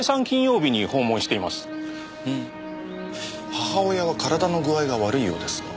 母親は体の具合が悪いようですが。